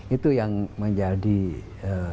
itu yang menjadi asisten